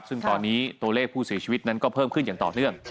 ซึ่งตอนนี้ตัวเลขผู้เสียชีวิตนั้นก็เพิ่มขึ้นอย่างต่อเนื่อง